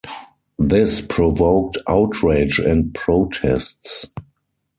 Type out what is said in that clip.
This provoked outrage and protests.